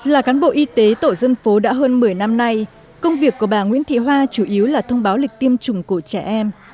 là cán bộ y tế tổ dân phố đã hơn một mươi năm nay công việc của bà nguyễn thị hoa chủ yếu là thông báo lịch tiêm chủng của trẻ em